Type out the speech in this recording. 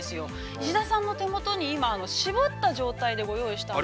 石田さんも手元に今絞った状態でご用意したので。